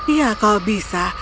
ya kau bisa